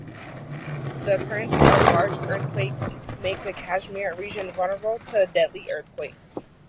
The occurrence of large earthquakes make the Kashmir region vulnerable to deadly earthquakes.